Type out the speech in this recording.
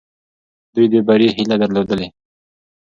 دوی د بري هیله درلودلې.